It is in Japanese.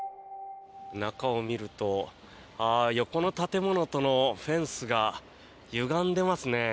中を見ると横の建物とのフェンスがゆがんでますね。